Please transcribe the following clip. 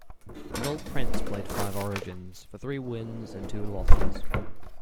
In all Prince played five Origins, for three wins and two losses.